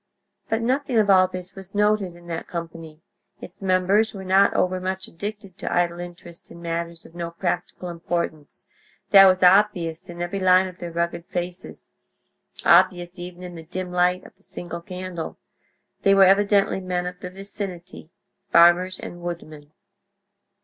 But nothing of all this was noted in that company; its members were not overmuch addicted to idle interest in matters of no practical importance; that was obvious in every line of their rugged faces—obvious even in the dim light of the single candle. They were evidently men of the vicinity—farmers and woodmen.